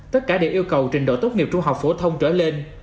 tất cả đều yêu cầu trình độ tốt nghiệp trung học phổ thông trở lên